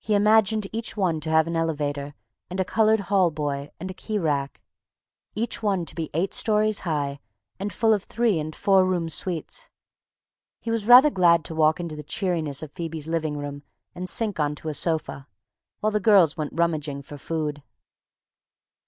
He imagined each one to have an elevator and a colored hall boy and a key rack; each one to be eight stories high and full of three and four room suites. He was rather glad to walk into the cheeriness of Phoebe's living room and sink onto a sofa, while the girls went rummaging for food.